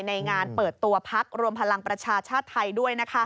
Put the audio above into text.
ในงานเปิดตัวพักรวมพลังประชาชาติไทยด้วย